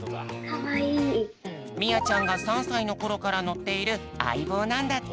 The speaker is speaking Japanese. みあちゃんが３さいのころからのっているあいぼうなんだって。